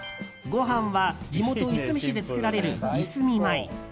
ご飯は地元・いすみ市で作られるいすみ米。